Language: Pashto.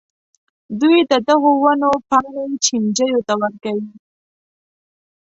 دوی د دغو ونو پاڼې چینجیو ته ورکوي.